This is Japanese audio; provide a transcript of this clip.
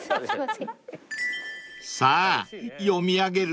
［さあ読み上げる